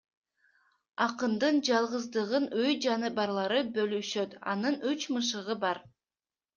Акындын жалгыздыгын үй жаныбарлары бөлүшөт — анын үч мышыгы бар.